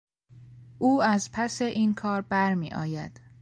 او از پس این کار برمیآید.